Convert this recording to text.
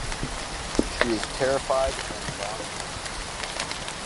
She is terrified, and Vann leaves.